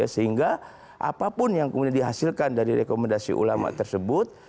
sehingga apapun yang kemudian dihasilkan dari rekomendasi ulama tersebut